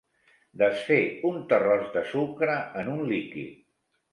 Desfer un terròs de sucre en un líquid.